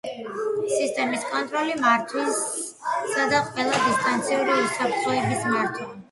სისტემის კონტროლი, მართვისა და ყველა დისტანციური უსაფრთხოების მართვა.